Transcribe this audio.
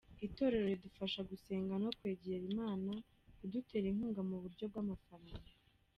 Itorero ridufasha gusenga no kwegera Imana, kudutera inkunga mu buryo bw’amafranga.